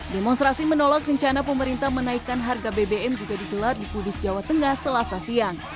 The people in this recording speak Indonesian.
demonstrasi menolak rencana pemerintah menaikkan harga bbm juga digelar di kudus jawa tengah selasa siang